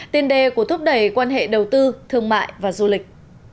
tiền đề của thúc đẩy quan hệ đầu tư thương mại và du lịch